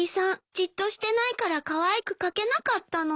じっとしてないからかわいく描けなかったの。